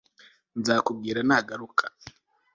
Nzakubwira nagaruka